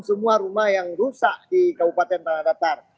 semua rumah yang rusak di kabupaten tanah datar